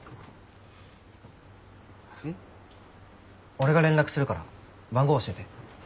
俺が連絡するから番号教えて。